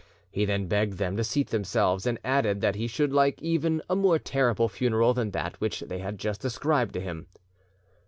He then begged them to seat themselves, and added that he should like even a more terrible funeral than that which they had just ascribed to him.